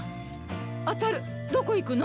あたるどこ行くの？